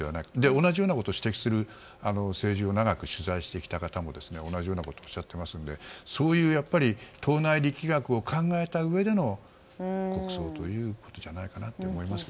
同じようなことを指摘する政治を長く取材してきた方が同じようなことをおっしゃっていましたのでそういう党内力学を考えたうえでの国葬ということじゃないかと思います。